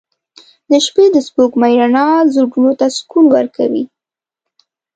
• د شپې د سپوږمۍ رڼا زړونو ته سکون ورکوي.